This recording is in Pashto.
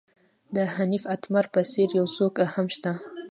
د حنیف اتمر په څېر یو څوک هم شته.